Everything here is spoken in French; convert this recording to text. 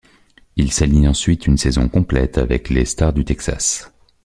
Il s'aligne ensuite une saison complète avec les Stars du Texas.